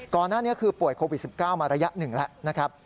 ก่อนหน้านี้คือป่วยโควิด๑๙มาระยะหนึ่งแล้วนะครับ